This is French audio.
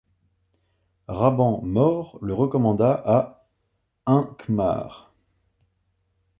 Raban Maur le recommanda à Hincmar.